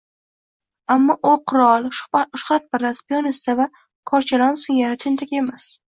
Ammo u qirol, shuhratparast, piyonista va korchalon singari tentak emas.